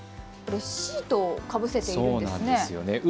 シートをかぶせているんですね。